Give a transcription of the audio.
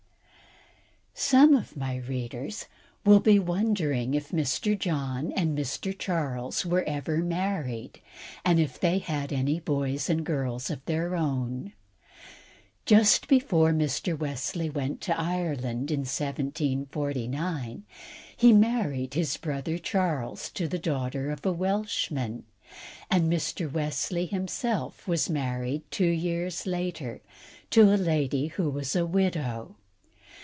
Some of my readers will be wondering if Mr. John or Mr. Charles Wesley were ever married, and if they had any boys and girls of their own. Just before Mr. Wesley went to Ireland in 1749, he married his brother Charles to the daughter of a Welsh gentleman, and Mr. Wesley, himself, was married two years later to a lady who was a widow.